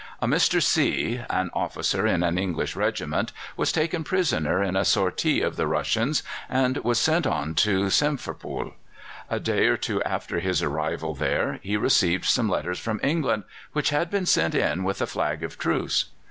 A Mr. C , an officer in an English regiment, was taken prisoner in a sortie of the Russians, and was sent on to Simferopol. A day or two after his arrival there he received some letters from England which had been sent in with a flag of truce.